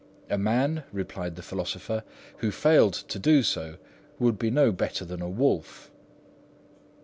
"A man," replied the philosopher, "who failed to do so, would be no better than a wolf."